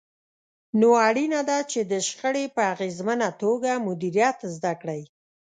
نو اړينه ده چې د شخړې په اغېزمنه توګه مديريت زده کړئ.